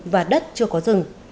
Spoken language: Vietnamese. và đất chưa có rừng